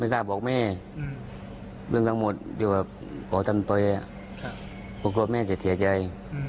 บางท่าบอกให้ให้ไม่รู้ทั้งหมดเราทำไปโครบให้จะเถียวใจ